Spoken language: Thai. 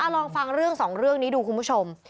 ลองฟังเรื่อง๒เรื่องนี้ดูคุณผู้ชม